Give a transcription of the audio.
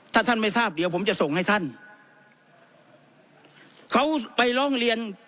ถ้าท่านไม่ทราบเดี๋ยวผมจะส่งให้ท่านเขาไปร้องเรียน